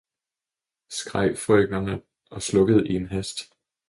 skreg frøknerne og slukkede i en hast.